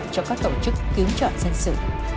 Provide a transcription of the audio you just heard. cho các tổ chức kiếm trợ dân sự